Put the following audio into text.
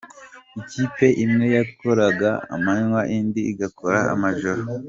Ikipe imwe yakoraga amanywa ,indi igakora amajoro.